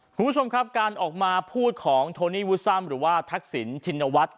คุณผู้ชมครับการออกมาพูดของโทนี่วูซัมหรือว่าทักษิณชินวัฒน์